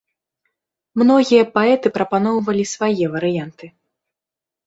Многія паэты прапаноўвалі свае варыянты.